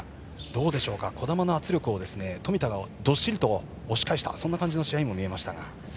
どうでしょう児玉の圧力を冨田がどっしり押し返したそんな感じの試合にも見えました。